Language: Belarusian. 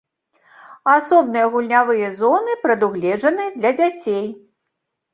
Асобныя гульнявыя зоны прадугледжаны для дзяцей.